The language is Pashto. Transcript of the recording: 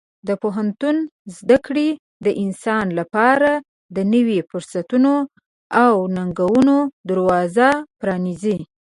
د پوهنتون زده کړې د انسان لپاره د نوي فرصتونو او ننګونو دروازه پرانیزي.